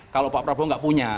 kalau pak prabowo nggak punya